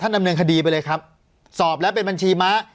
ดำเนินคดีไปเลยครับสอบแล้วเป็นบัญชีม้า